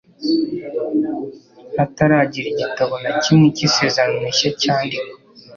Hataragira igitabo na kimwe cy'Isezerano rishya cyandikwa,